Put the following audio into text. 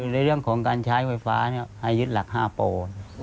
ในเรื่องของการใช้ไฟฟ้าเนี่ยอายุทธิ์หลัก๕โปร